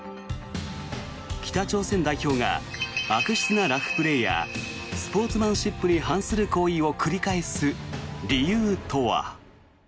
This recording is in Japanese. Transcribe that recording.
北朝鮮代表が悪質なラフプレーやスポーツマンシップに反する行為を繰り返す理由とは。